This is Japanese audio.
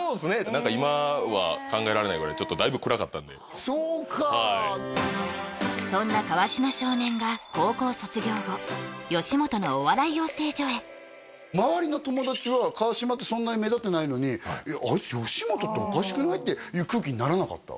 今は考えられないぐらいだいぶ暗かったんでそうかはいそんな川島少年が高校卒業後吉本のお笑い養成所へ周りの友達は川島ってそんなに目立ってないのにあいつ吉本っておかしくない？っていう空気にならなかった？